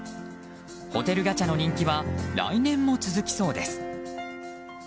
ホテルガチャの人気は来年も続きそうです。